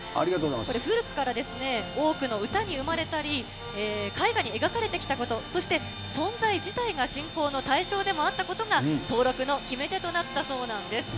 これ、古くから多くの歌に詠まれたり、絵画に描かれてきたこと、そして存在自体が信仰の対象でもあったことが登録の決め手となったそうなんです。